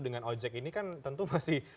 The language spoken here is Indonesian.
dengan ojek ini kan tentu masih